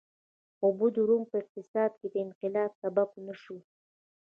اوبه د روم په اقتصاد کې د انقلاب سبب نه شوې.